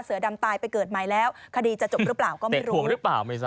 เสือดำตายไปเกิดใหม่แล้วคดีจะจบหรือเปล่าก็ไม่รู้